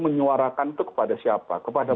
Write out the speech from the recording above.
menyuarakan itu kepada siapa kepada